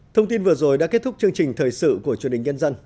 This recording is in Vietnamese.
thông tin vừa rồi đã kết thúc chương trình thời sự của chương trình nhân dân